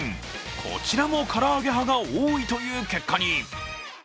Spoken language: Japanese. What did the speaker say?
こちらもから揚げ派が多いという結果に。